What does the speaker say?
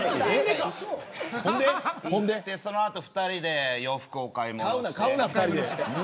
その後、２人で洋服を買い物して。